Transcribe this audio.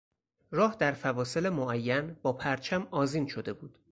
راه در فواصل معین با پرچم آذین شده بود.